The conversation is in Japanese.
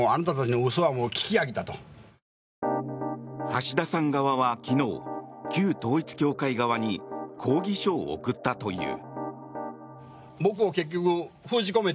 橋田さん側は昨日旧統一教会側に抗議書を送ったという。